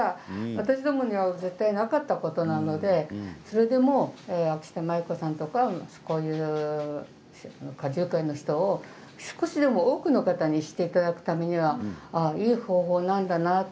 私どもには絶対なかったことなのでそれでも、あきた舞妓さんとか花柳界の人を少しでも多くの人に知っていただくためにはいい方法なんだなと。